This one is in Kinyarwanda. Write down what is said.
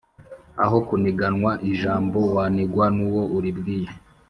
Aho kuniganwa ijambo wanigwa n’uwo uribwiye